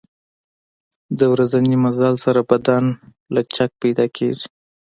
د ورځني مزل سره بدن لچک پیدا کېږي.